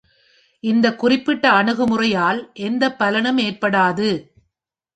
இந்த குறிப்பிட்ட அணுகுமுறையால் எந்தப் பலனும் ஏற்படாது்.